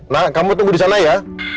nah kamu tunggu di sana ya